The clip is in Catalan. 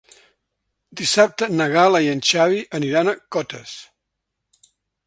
Dissabte na Gal·la i en Xavi aniran a Cotes.